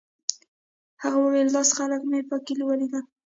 هغه ویل داسې خلک مې په کې ولیدل.